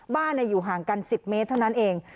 อยู่ห่างกัน๑๐เมตรเท่านั้นเอง